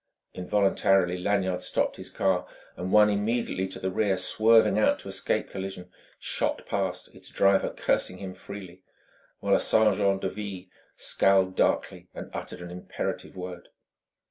Involuntarily Lanyard stopped his car; and one immediately to the rear, swerving out to escape collision, shot past, its driver cursing him freely; while a sergent de ville scowled darkly and uttered an imperative word.